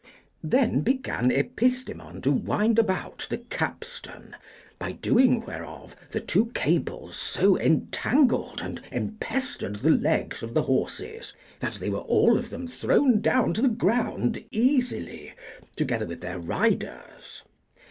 Then began Epistemon to wind about the capstan, by doing whereof the two cables so entangled and empestered the legs of the horses, that they were all of them thrown down to the ground easily, together with their riders.